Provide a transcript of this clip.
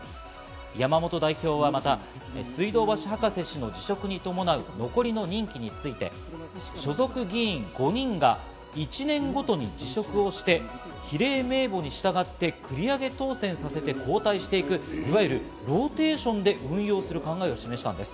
山本代表はまた水道橋博士氏の辞職に伴う残りの任期について、所属議員５人が１年ごとに辞職をして、比例名簿に従って繰り上げ当選させて交代していく、いわゆるローテーションで運用する考えを示したんです。